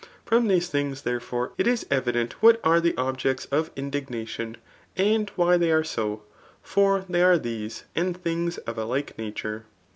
From these things, therefore, it is evident what are the objects of indignation, and why they are so; for they are these, and things of a like nature.